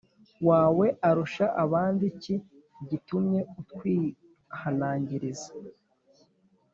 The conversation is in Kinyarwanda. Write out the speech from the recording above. wawe arusha abandi iki gitumye utwihanangiriza